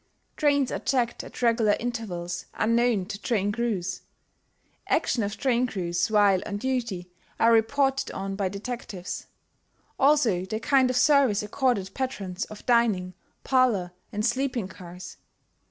Trains are checked at regular intervals unknown to train crews. Action of train crews while on duty are reported on by detectives; also the kind of service accorded patrons of dining, parlor and sleeping cars.